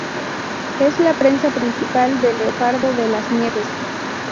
Es la presa principal del leopardo de las nieves.